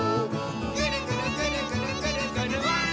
「ぐるぐるぐるぐるぐるぐるわい！」